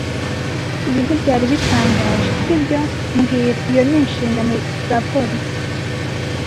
Ibi ntibyari bitangaje, si byo mbwira Iyo ni inshingano za polisi.